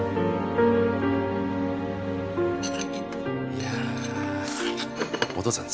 いやお父さん